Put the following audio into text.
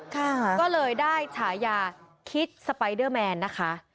ก็เลยได้ฉายาคิดสไปเดอร์แมนนะคะ